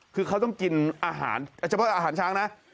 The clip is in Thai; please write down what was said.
คือเขาต้องกินอาหารอาจจะเป็นอาหารช้างนะ